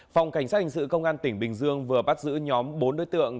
phòng cảnh sát hình sự công an tỉnh bình dương vừa bắt giữ nhóm bốn đối tượng